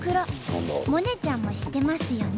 萌音ちゃんも知ってますよね？